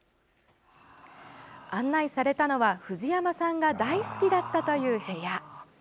案内されたのは藤山さんが大好きだったいう部屋。